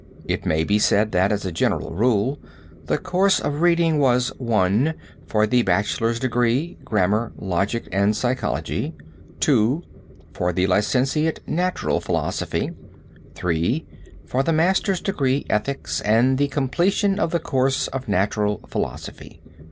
It may be said that, as a general rule, the course of reading was: (1) for the bachelor's degree, grammar, logic, and psychology; (2) for the licentiate, natural philosophy; (3) for the master's degree, ethics, and the completion of the course of natural philosophy."